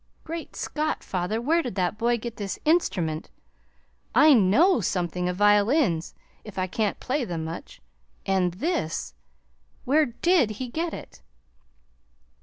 "Great Scott, father! Where did that boy get this instrument? I KNOW something of violins, if I can't play them much; and this ! Where DID he get it?"